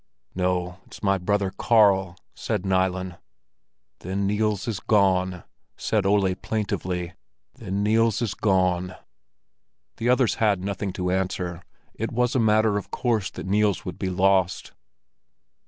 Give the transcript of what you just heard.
"No; it's my brother Karl," said Nilen. "Then Niels is gone," said Ole plaintively. "Then Niels is gone." The others had nothing to answer; it was a matter of course that Niels would be lost.